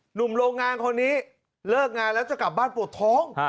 หนุ่มโรงงานคนนี้เลิกงานแล้วจะกลับบ้านปวดท้อง